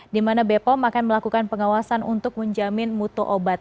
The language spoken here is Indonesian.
di mana bepom akan melakukan pengawasan untuk menjamin mutu obat